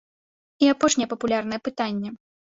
І апошняе папулярнае пытанне.